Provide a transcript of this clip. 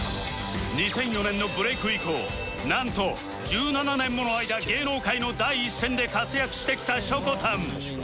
２００４年のブレイク以降なんと１７年もの間芸能界の第一線で活躍してきたしょこたん